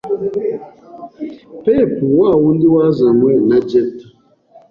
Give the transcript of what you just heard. Pepu wa wundi wazanywe na Jetha